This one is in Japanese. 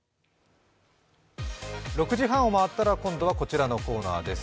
６時半を回ったら今度はこちらのコーナーです。